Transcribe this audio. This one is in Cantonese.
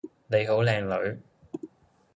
你好靚女